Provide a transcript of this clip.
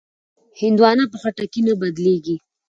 هندوانه په خټکي نه بدلېږي.